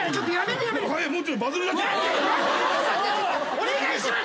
お願いします！